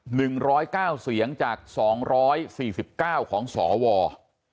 หนึ่งร้อยเก้าเสียงจากสองร้อยสี่สิบเก้าของสว